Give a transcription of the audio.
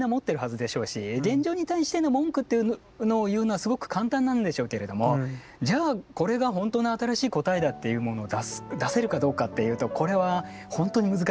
現状に対しての文句っていうのを言うのはすごく簡単なんでしょうけれどもじゃあこれがほんとの新しい答えだっていうものを出す出せるかどうかっていうとこれはほんとに難しい気がするんですね。